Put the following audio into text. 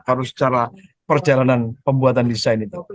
harus secara perjalanan pembuatan desain itu